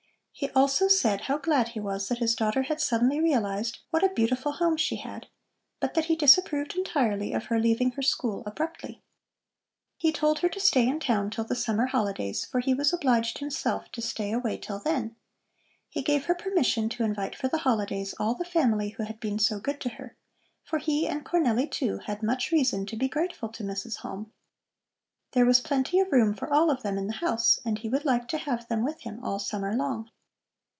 He also said how glad he was that his daughter had suddenly realized what a beautiful home she had, but that he disapproved entirely of her leaving her school abruptly. He told her to stay in town till the summer holidays, for he was obliged himself to stay away till then. He gave her permission to invite for the holidays all the family who had been so good to her, for he and Cornelli, too, had much reason to be grateful to Mrs. Halm. There was plenty of room for all of them in the house, and he would like to have them with him all summer long.